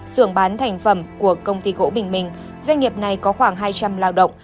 sưởng bán thành phẩm của công ty gỗ bình minh doanh nghiệp này có khoảng hai trăm linh lao động